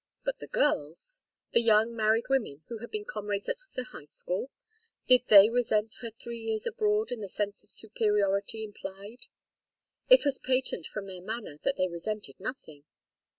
But the girls? The young married women, who had been her comrades at the High School? Did they resent her three years abroad and the sense of superiority implied? It was patent from their manner that they resented nothing.